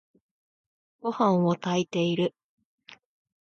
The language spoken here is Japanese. ごはんを炊いている。